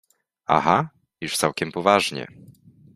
— Aha—już całkiem poważnie.